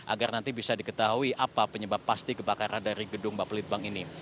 agar nanti bisa diketahui apa penyebab pasti kebakaran dari gedung mbak pelitbang ini